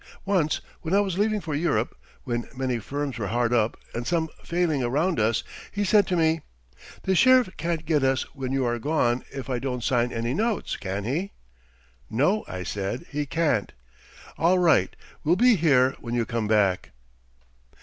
Once, when I was leaving for Europe, when many firms were hard up and some failing around us, he said to me: "The sheriff can't get us when you are gone if I don't sign any notes, can he?" "No," I said, "he can't." "All right, we'll be here when you come back."